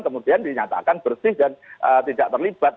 kemudian dinyatakan bersih dan tidak terlibat